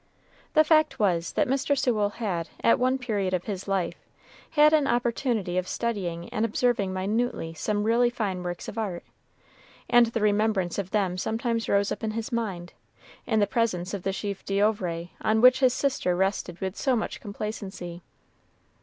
The fact was, that Mr. Sewell had, at one period of his life, had an opportunity of studying and observing minutely some really fine works of art, and the remembrance of them sometimes rose up to his mind, in the presence of the chefs d'oeuvre on which his sister rested with so much complacency.